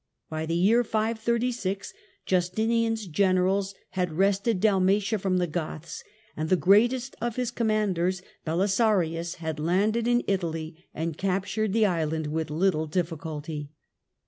By the year 536 Justinian's generals had wrested Dal matia from the Goths, and the greatest of his com manders, Belisarius, had landed in Sicily and captured the island with little difficulty.